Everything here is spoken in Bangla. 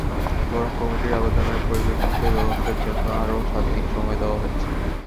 বরং কমিটির আবেদনের পরিপ্রেক্ষিতে তদন্তের জন্য আরও সাত দিন সময় দেওয়া হয়েছে।